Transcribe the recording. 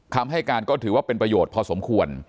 คำให้การก็ถือว่าเป็นประโยชน์พอสมควร